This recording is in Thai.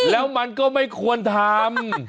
แล้วมันก็ไม่ควรทำ